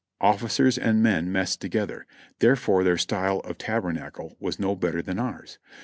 Officers and men messed together, therefore their style of tabernacle was no better than ours.